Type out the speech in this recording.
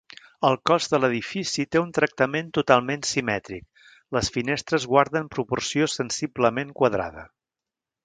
El cos de l'edifici té un tractament totalment simètric, les finestres guarden proporció sensiblement quadrada.